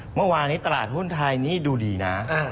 เมื่อวานนี้ตลาดหุ้นไทยนี่ดูดีนะ